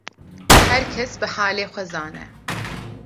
Her kes bi halê xwe zane